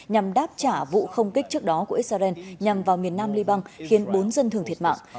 nhằm đáp trả vụ không kích trước đó của israel nhằm vào miền nam liban khiến bốn dân thường thiệt mạng